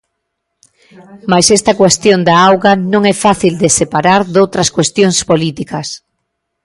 Mais esta cuestión da auga non é fácil de separar doutras cuestións políticas.